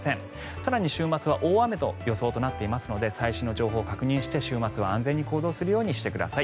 更に週末は大雨の予想となっていますので最新の情報を確認して週末、安全に行動するようにしてください。